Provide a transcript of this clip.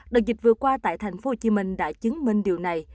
đợt dịch vừa qua tại tp hcm đã chứng minh điều này